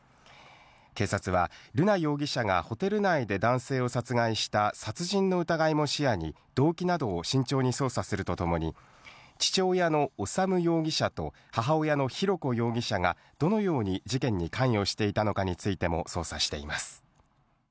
警察は瑠奈容疑者がホテル内で男性を殺害した殺人の疑いも視野に動機などを慎重に捜査するとともに、父親の修容疑者と母親の浩子容疑者がどのように事件に関与していたのかについても捜査しています。